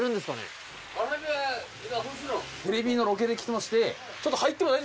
テレビのロケで来てまして。